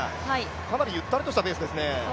かなりゆったりとしたペースですね。